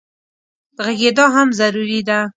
غږېدا هم ضروري ده.